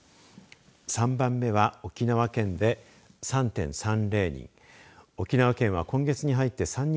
３番目は沖縄県で３．３０人